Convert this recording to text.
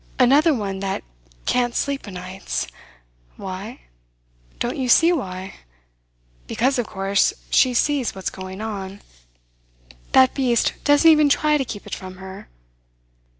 Another one that can't sleep o' nights. Why? Don't you see why? Because, of course, she sees what's going on. That beast doesn't even try to keep it from her.